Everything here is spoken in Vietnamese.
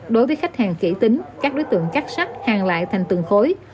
đối với khách hàng kỹ tính các đối tượng cắt sắt hàng lại thành từng khối